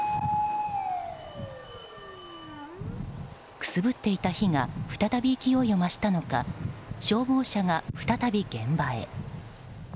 くすぶっていた火が再び勢いを増したのか消防車が再び現場へ。